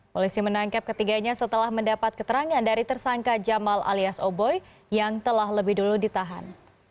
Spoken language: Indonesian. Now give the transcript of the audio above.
polisi menangkap ketiganya setelah mendapat keterangan dari tersangka jamal alias oboi yang telah lebih dulu ditahan